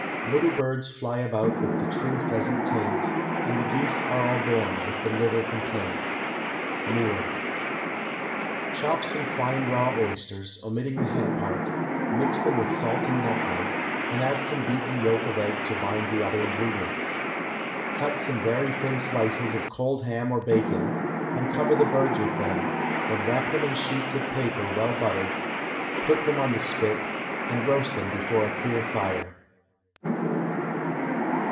Little birds fly about with the true pheasant taint, And the geese are all born with the liver[56 *] complaint. MOORE. Chop some fine raw oysters, omitting the head part, mix them with salt and nutmeg, and add some beaten yolk of egg to bind the other ingredients. Cut some very thin slices of cold ham or bacon, and cover the birds with them, then wrap them in sheets of paper well buttered, put them on the spit, and roast them before a clear fire.